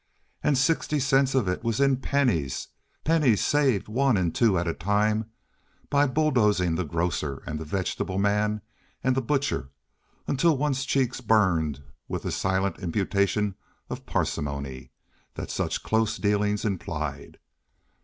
And sixty cents of it was in pennies. Pennies saved one and two at a time by bulldozing the grocer and the vegetable man and the butcher until one's cheeks burned with the silent imputation of parsimony that such close dealing implied.